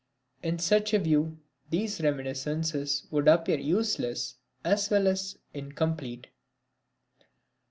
In such a view these reminiscences would appear useless as well as incomplete.